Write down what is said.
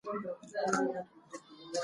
د توپونو اور بې ځایه و.